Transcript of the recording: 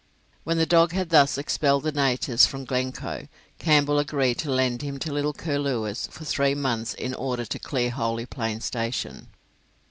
When the dog had thus expelled the natives from Glencoe, Campbell agreed to lend him to little Curlewis for three months in order to clear Holey Plains Station.